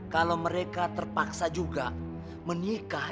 kalau mereka terpaksa juga menikah